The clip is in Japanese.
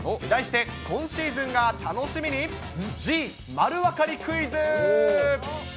題して、今シーズンが楽しみに、Ｇ丸わかりクイズ。